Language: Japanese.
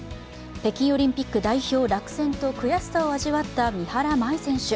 北京オリンピック代表落選と悔しさを味わった三原舞依選手。